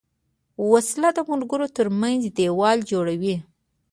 وسله د ملګرو تر منځ دیوال جوړوي